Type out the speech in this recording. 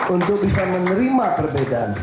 untuk bisa menerima perbedaan